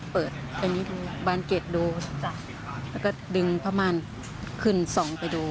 เปิดแค่นี้ดูบานเกร็ดดูจ้ะแล้วก็ดึงผ้าม่านขึ้นส่องไปดู